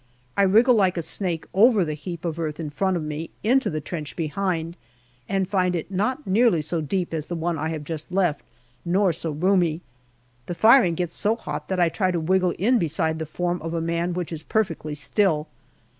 I wriggle like a snake over the heap of earth in front of me, into the trench behind, and find it not nearly so deep as the one I have just left, nor so roomy. The firing gets so hot that I try to wriggle in beside a form of a man which is perfectly still.